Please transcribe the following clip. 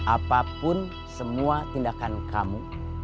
apapun semua tindakan kamu